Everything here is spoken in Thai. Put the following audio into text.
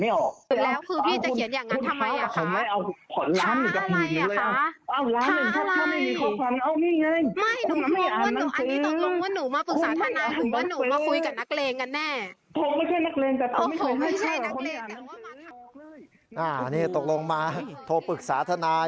อันนี้ตกลงมาโทรปรึกษาธนาคุณ